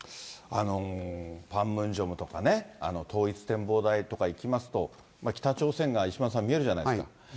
パンムンジョムとかね、統一展望台とか行きますと、北朝鮮が石丸さん、見えるじゃないですか。